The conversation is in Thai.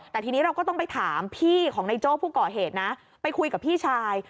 แต่ทีนี้เราก็ต้องไปถามพี่ของนายโจ้ผู้ก่อเหตุนะไปคุยกับพี่ชาย